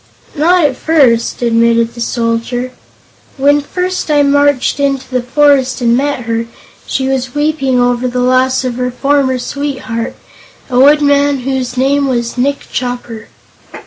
"Not at first," admitted the Soldier. "When first I marched into the forest and met her, she was weeping over the loss of her former sweetheart, a woodman whose name was Nick Chopper."